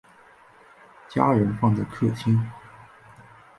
家人放在客厅